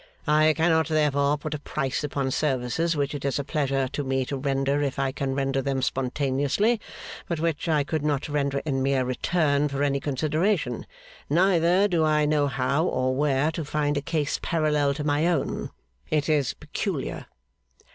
'I cannot, therefore, put a price upon services which it is a pleasure to me to render if I can render them spontaneously, but which I could not render in mere return for any consideration. Neither do I know how, or where, to find a case parallel to my own. It is peculiar.